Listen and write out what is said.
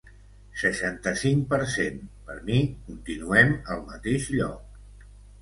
Seixanta-cinc per cent Per mi, continuem al mateix lloc.